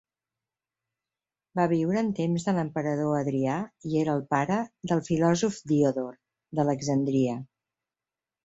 Va viure en temps de l'emperador Adrià i era el pare del filòsof Diodor d'Alexandria.